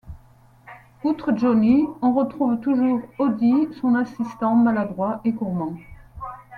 Outre Johnny, on retrouve toujours Audie, son assistant maladroit et gourmand.